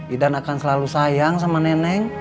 idan akan selalu sayang sama neneng